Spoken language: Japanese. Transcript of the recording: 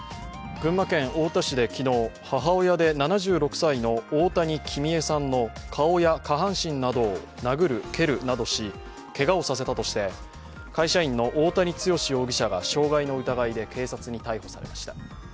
群馬県太田市で昨日、母親で７６歳の大谷君江さんの顔や下半身などを殴る蹴るなどしけがをさせたとして会社員の大谷強容疑者が傷害の疑いで警察に逮捕されました。